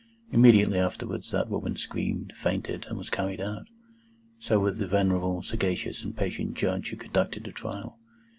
Immediately afterwards that woman screamed, fainted, and was carried out. So with the venerable, sagacious, and patient Judge who conducted the trial.